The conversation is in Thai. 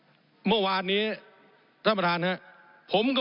ผมอภิปรายเรื่องการขยายสมภาษณ์รถไฟฟ้าสายสีเขียวนะครับ